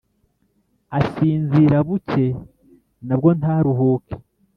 Asinzira buke, na bwo ntaruhuke,